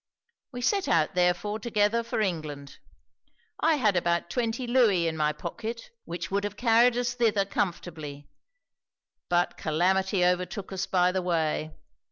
We set out, therefore, together for England. I had about twenty Louis in my pocket, which would have carried us thither comfortably: but calamity overtook us by the way.